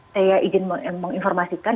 saya izin menginformasikan